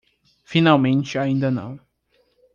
Finalmente ainda não